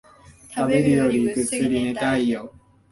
食べるよりぐっすり寝たいよ